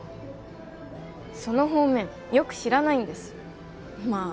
その方面よく知らないんですまあ